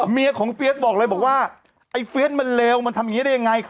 เมียของเฟียสบอกเลยบอกว่าไอ้เฟียสมันเลวมันทำอย่างนี้ได้ยังไง